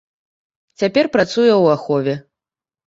Цяпер працуе ў ахове.